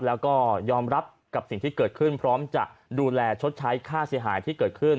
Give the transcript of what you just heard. แล้วก็ยอมรับกับสิ่งที่เกิดขึ้นพร้อมจะดูแลชดใช้ค่าเสียหายที่เกิดขึ้น